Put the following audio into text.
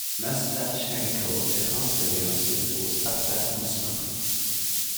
Maslatchenko est transféré ensuite au Spartak Moscou.